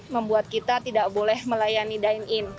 membuat kita tidak boleh melayani dine in